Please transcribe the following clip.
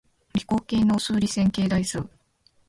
理工系の数理線形代数